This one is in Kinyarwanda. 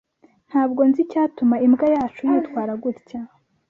Ntabwo nzi icyatuma imbwa yacu yitwara gutya.